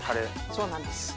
そうなんです。